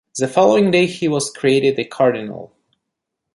The following day he was created a cardinal.